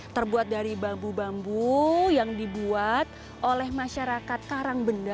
terbuat dari bambu bambu yang dibuat oleh masyarakat karangbenda